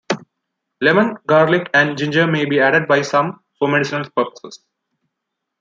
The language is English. Lemon, garlic and ginger may be added by some for medicinal purposes.